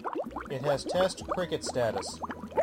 It has Test cricket status.